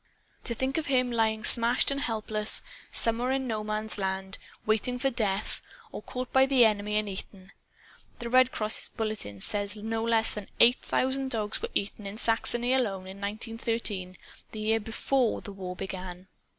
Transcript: To think of him lying smashed and helpless, somewhere in No Man's Land, waiting for death; or caught by the enemy and eaten! (The Red Cross bulletin says no less than eight thousand dogs were eaten, in Saxony alone, in 1913, the year BEFORE the war began.)